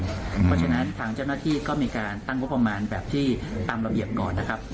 เพราะฉะนั้นทางเจ้าหน้าที่ก็มีการตั้งงบประมาณแบบที่ตามระเบียบก่อนนะครับ